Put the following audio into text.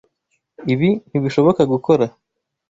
Ibi ntibishoboka gukora.